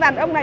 mày điên này